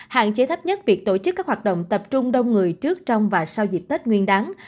hạn chế thấp nhất việc tổ chức các hoạt động tập trung đông người trước trong và sau dịp tết nguyên đáng